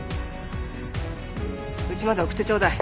家まで送ってちょうだい。